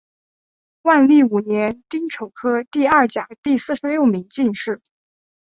万历五年丁丑科第二甲第四十六名进士。